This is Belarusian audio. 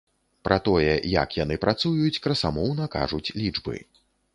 Пра тое, як яны працуюць, красамоўна кажуць лічбы.